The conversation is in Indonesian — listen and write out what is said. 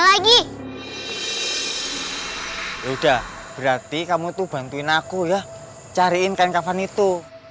lagi yaudah berarti kamu tuh bantuin aku ya cariin kain kafan itu